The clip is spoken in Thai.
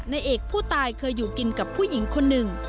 นายเอกผู้ตายเคยอยู่กินกับผู้หญิงคนหนึ่ง